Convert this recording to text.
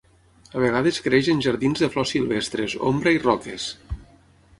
A vegades creix en jardins de flors silvestres, ombra i roques.